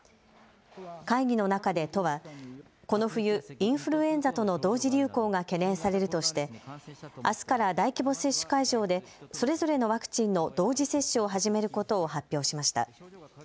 会議の中で都はこの冬、インフルエンザとの同時流行が懸念されるとしてあすから大規模接種会場でそれぞれのワクチンの同時接種を始めることを発表しました。